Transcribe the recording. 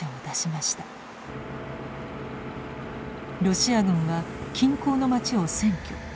ロシア軍は近郊の町を占拠。